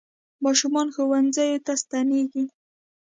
ماشومان ښوونځیو ته ستنېږي.